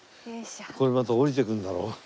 これまた下りてくるんだろ？